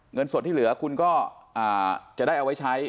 เงินสดที่เหลือคุณก็จะได้เอาไว้ใช้